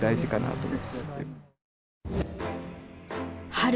春。